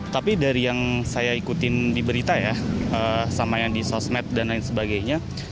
tapi dari yang saya ikutin di berita ya sama yang di sosmed dan lain sebagainya